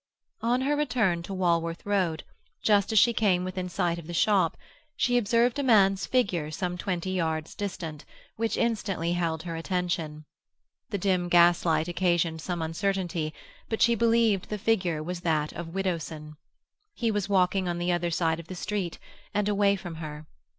On her return to Walworth Road, just as she came within sight of the shop, she observed a man's figure some twenty yards distant, which instantly held her attention. The dim gaslight occasioned some uncertainty, but she believed the figure was that of Widdowson. He was walking on the other side of the street, and away from her.